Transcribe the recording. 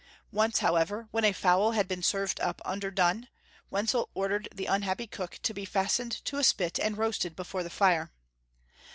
Once, however, when a fowl had been served up under done, Wenzel ordered the unhappy cook to be fastened to a spit and roasted before the fire.